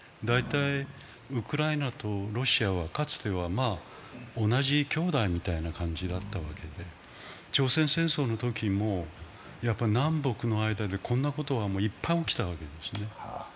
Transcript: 大体、ウクライナとロシアは、かつては同じ兄弟みたいな感じだったわけで、朝鮮戦争のときも、南北の間でこんなことはいっぱい起きたわけですね。